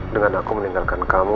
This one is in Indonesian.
dengan aku meninggalkan kamu